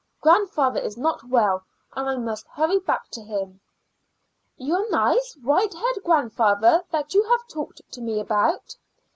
Grandfather is not well, and I must hurry back to him." "Your nice white haired grandfather that you have talked to me about?"